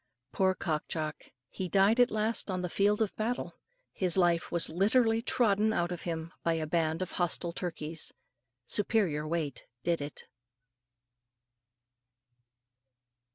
Poor Cock Jock! he died at last on the field of battle. His life was literally trodden out of him by a band of hostile turkeys. Superior weight did it.